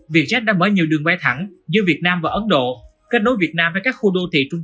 vietjet đã mở nhiều đường bay thẳng giữa việt nam và ấn độ kết nối việt nam với các khu đô thị trung